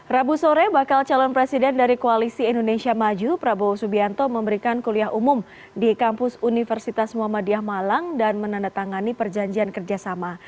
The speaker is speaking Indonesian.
rabu sore bakal calon presiden dari koalisi indonesia maju prabowo subianto memberikan kuliah umum di kampus universitas muhammadiyah malang dan menandatangani perjanjian kerjasama